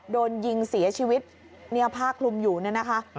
โดนยิงเสียชีวิตเนี่ยผ้าคลุมอยู่เนี่ยนะคะ